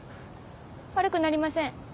悪くなりません。